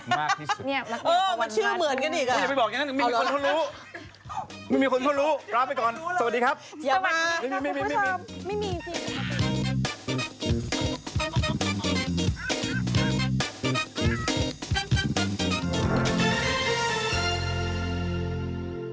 ไม่มีจริง